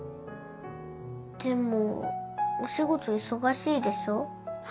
でもお仕事忙しいでしょ？